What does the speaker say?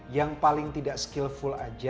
yang paling tidak skillful aja